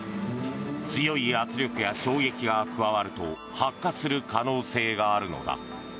強い圧力や衝撃が加わると発火する可能性があるのだ。